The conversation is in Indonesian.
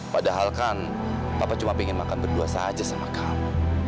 padahal kan papa cuma ingin makan berdua saja sama kamu